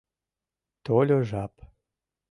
Тольо жап